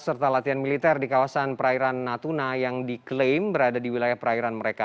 serta latihan militer di kawasan perairan natuna yang diklaim berada di wilayah perairan mereka